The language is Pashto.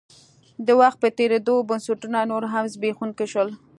د وخت په تېرېدو بنسټونه نور هم زبېښونکي شول.